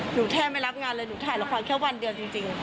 แทบไม่รับงานเลยหนูถ่ายละครแค่วันเดียวจริง